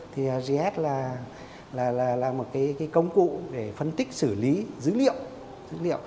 thì gis là một công cụ để phân tích xử lý dữ liệu